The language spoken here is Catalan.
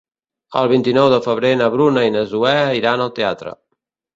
El vint-i-nou de febrer na Bruna i na Zoè iran al teatre.